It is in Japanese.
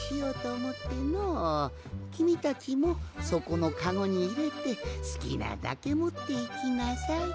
きみたちもそこのカゴにいれてすきなだけもっていきなさい。